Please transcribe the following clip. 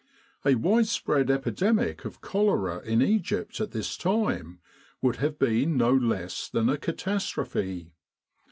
A widespread epidemic of cholera in Egypt at this time would have been no less than a catastrophe.